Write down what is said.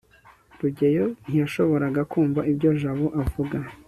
rugeyo ntiyashoboraga kumva ibyo jabo avuga